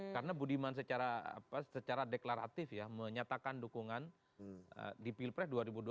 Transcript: karena budiman secara deklaratif ya menyatakan dukungan di pilpre dua ribu dua puluh empat